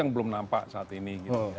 belum nampak saat ini